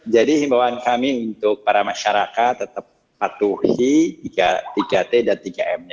jadi imbauan kami untuk para masyarakat tetap patuhi tiga t dan tiga m nya